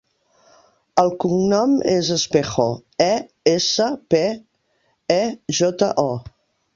El cognom és Espejo: e, essa, pe, e, jota, o.